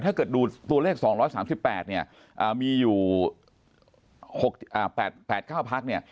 ถ้าเกิดดูตัวเลข๒๓๘มีอยู่๘๙พัก